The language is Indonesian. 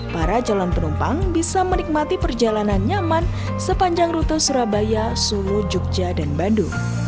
para calon penumpang bisa menikmati perjalanan nyaman sepanjang rute surabaya solo jogja dan bandung